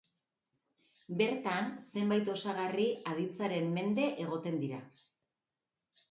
Bertan, zenbait osagarri aditzaren mende egoten dira.